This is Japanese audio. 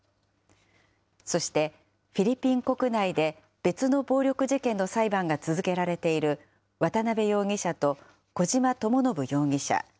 そして、フィリピン国内で別の暴力事件の裁判が続けられている渡邉容疑者と小島智信容疑者。